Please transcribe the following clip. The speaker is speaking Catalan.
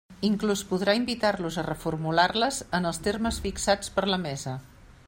Inclús podrà invitar-los a reformular-les en els termes fixats per la Mesa.